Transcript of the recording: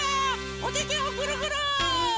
おててをぐるぐる！